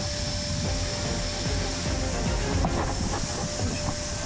よいしょ。